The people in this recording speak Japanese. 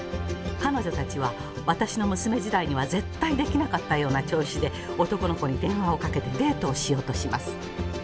彼女たちは私の娘時代には絶対できなかったような調子で男の子に電話をかけてデートをしようとします。